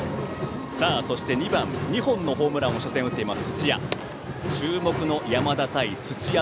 そして２番２本のホームランを初戦、打っている土屋。